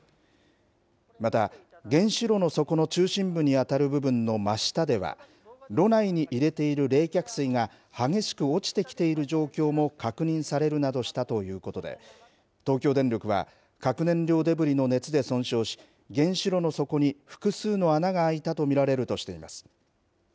また、原子炉の底の中心部に当たる部分の真下では、炉内に入れている冷却水が激しく落ちてきている状況も確認されるなどしたということで、東京電力は、核燃料デブリの熱で損傷し、原子炉の底に複数の穴が開いたと見られるとしています。